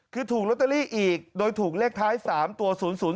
คือถูกลอตเตอรี่อีกโดยถูกเลขท้าย๓ตัว๐๐